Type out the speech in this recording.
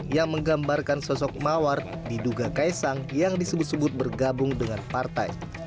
yang menggambarkan sosok mawar diduga kaisang yang disebut sebut bergabung dengan partai